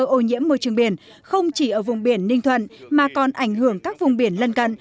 ô nhiễm môi trường biển không chỉ ở vùng biển ninh thuận mà còn ảnh hưởng các vùng biển lân cận